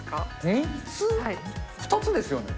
２つですよね？